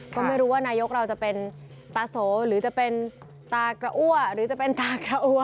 ก็ไม่รู้ว่านายกเราจะเป็นตาโสหรือจะเป็นตากระอ้วหรือจะเป็นตากระอัว